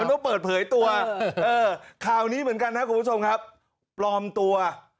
แล้วคราวนี้ถอยที่ตำรวจปลอมตัว